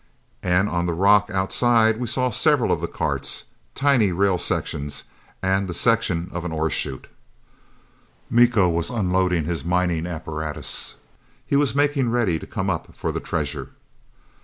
And on the rock outside, we saw several of the carts, tiny rail sections and the section of an ore chute. Miko was unloading his mining apparatus! He was making ready to come up for the treasure!